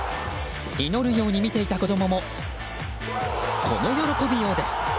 祈るように見ていた子供もこの喜びようです。